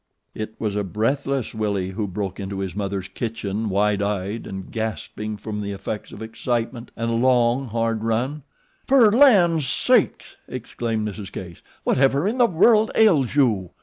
It was a breathless Willie who broke into his mother's kitchen wide eyed and gasping from the effects of excitement and a long, hard run. "Fer lan' sakes!" exclaimed Mrs. Case. "Whatever in the world ails you?"